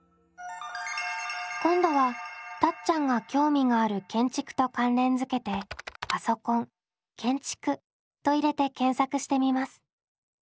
今度はたっちゃんが興味がある建築と関連付けて「パソコン建築」と入れて検索してみます。